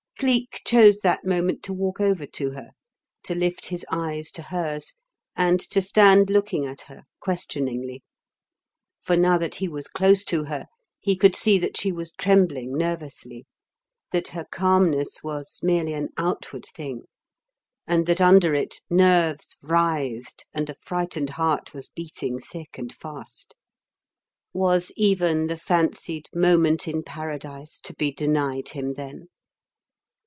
Cleek chose that moment to walk over to her, to lift his eyes to hers, and to stand looking at her questioningly. For now that he was close to her he could see that she was trembling nervously; that her calmness was merely an outward thing, and that under it nerves writhed and a frightened heart was beating thick and fast. Was even the fancied moment in Paradise to be denied him then?